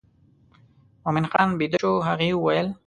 مومن خان بېده شو هغې وویل.